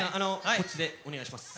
こっちでお願いします。